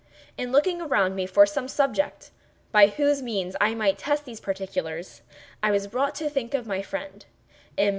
In looking around me for some subject by whose means I might test these particulars, I was brought to think of my friend, M.